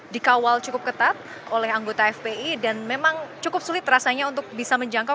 dikawal cukup ketat oleh anggota fpi dan memang cukup sulit rasanya untuk bisa menjangkau